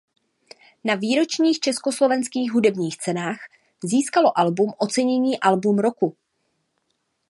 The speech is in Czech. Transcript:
Na Výročních československých hudebních cenách získalo album ocenění album roku.